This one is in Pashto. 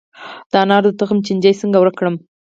د انارو د تخم چینجی څنګه ورک کړم؟